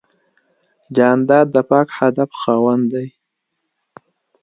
جانداد د پاک هدف خاوند دی.